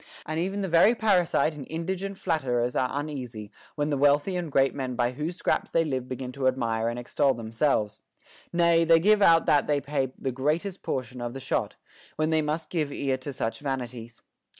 325 and even the very parasite and indigent flatterers are un easy, when the wealthy and great men by whose scraps they live begin to admire and extol themselves ; nay, they give out that they pay the greatest portion of the shot, when they must give ear to such vanities.